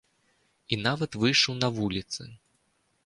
І нават выйшаў на вуліцы.